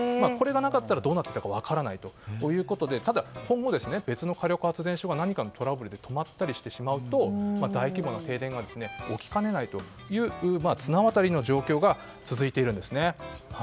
これがなかったらどうなっているか分からないということで別の火力発電所が何かのトラブルで止まったりしてしまうと大規模な停電が起きかねないという綱渡りの状況が続いているんですね。